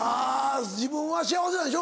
自分は幸せなんでしょ？